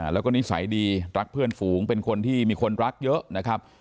แล้วก็นิสัยดีรักเพื่อนฝูงเป็นคนที่มีคนรักเยอะนะครับ